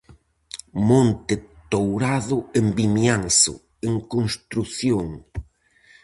Monte Tourado en Vimianzo, en construción.